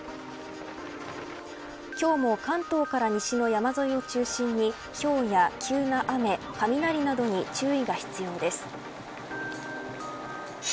今日も関東から西の山沿いを中心にひょうや急な雨、雷などに注意が必要です。